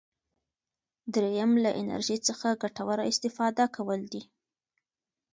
دریم له انرژي څخه ګټوره استفاده کول دي.